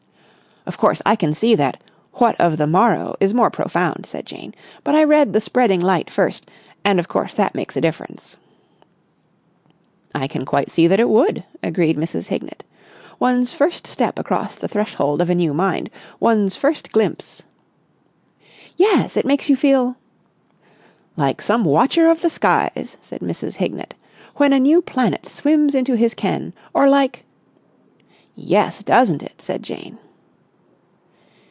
"Of course, I can see that 'What of the Morrow?' is more profound," said Jane. "But I read 'The Spreading Light' first, and of course that makes a difference." "I can quite see that it would," agreed Mrs. Hignett. "One's first step across the threshold of a new mind, one's first glimpse...." "Yes, it makes you feel...." "Like some watcher of the skies," said Mrs. Hignett, "when a new planet swims into his ken, or like...." "Yes, doesn't it!" said Jane.